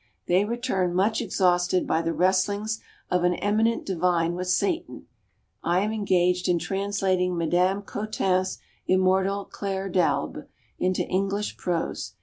They returned much exhausted by the wrestlings of an eminent divine with Satan. I am engaged in translating Madame Cottin's immortal "Claire D'Albe" into English prose.